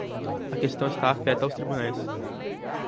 A questão está afeta aos tribunais.